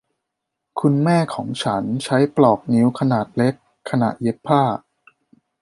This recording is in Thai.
คุณแม่ของฉันใช้ปลอกนิ้วขนาดเล็กขณะเย็บผ้า